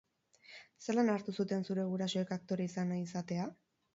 Zelan hartu zuten zure gurasoek aktore izan nahi izatea?